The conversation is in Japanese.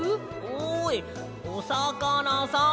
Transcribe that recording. おいおさかなさん。